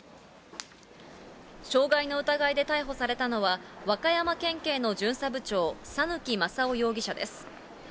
傷害の疑いで逮捕されたのは、和歌山県警の巡査部長、讃岐真生容疑者です。